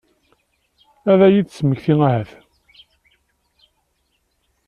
Ad iyi-d-temmekti ahat?